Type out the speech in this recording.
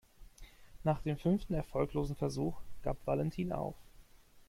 Nach dem fünften erfolglosen Versuch gab Valentin auf.